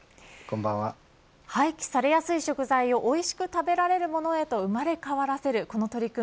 廃棄されやすい食材をおいしく食べられるものへと生まれ変わらせるこの取り組み